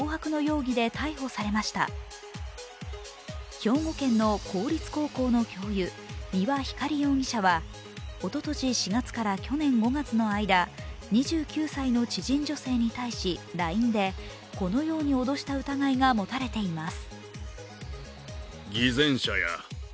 兵庫県の公立高校の教諭三輪光容疑者はおととし４月から去年５月の間、２９歳の知人女性に対しＬＩＮＥでこのように脅した疑いが持たれています。